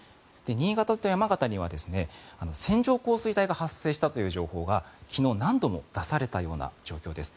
新潟と山形には線状降水帯が発生したという情報が昨日、何度も出されたような状況です。